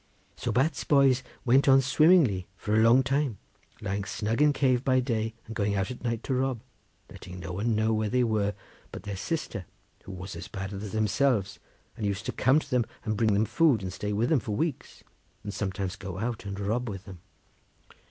So Bat's boys went on swimmingly for a long time, lying snug in cave by day and going out at night to rob, letting no one know where they were but their sister, who was as bad as themselves, and used to come to them and bring them food, and stay with them for weeks, and sometimes go out and rob with them.